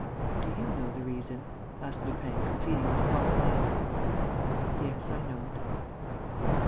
"Do you know the reason?" asked Lupin, completing his thought aloud. "Yes, I know it."